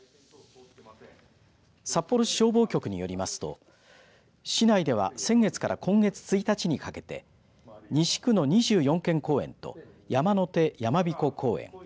札幌市消防局によりますと市内では先月から今月１日にかけて西区の二十四軒公園と山の手やまびこ公園